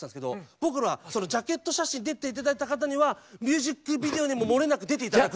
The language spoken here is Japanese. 僕らジャケット写真出て頂いた方にはミュージックビデオにももれなく出て頂く。